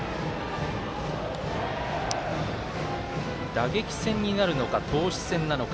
打撃戦になるのか投手戦なのか。